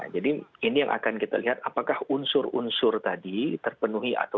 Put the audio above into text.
jadi ini yang akan kita lihat apakah unsur unsur tadi terpenuhi atau terbatas